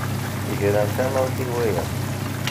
Gren tamawt i waya.